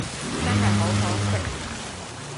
真係好可惜